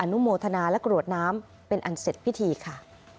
นุโมทนาและกรวดน้ำเป็นอันเสร็จพิธีค่ะ